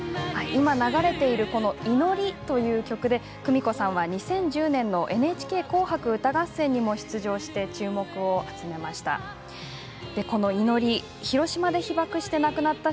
今、流れている「ＩＮＯＲＩ祈り」という曲で２０１０年の「ＮＨＫ紅白歌合戦」にも出場して注目を集めました。